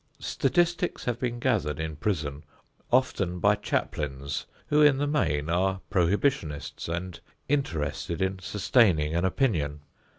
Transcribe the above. Statistics have been gathered in prison often by chaplains who, in the main, are prohibitionists and interested in sustaining an opinion.